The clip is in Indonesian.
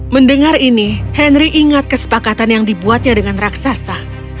mendengar ini henry ingat kesepakatan yang dibuatnya dengan raksasa